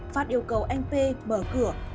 phát yêu cầu anh p mở cửa